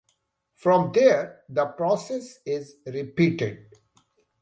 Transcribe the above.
From there the process is repeated.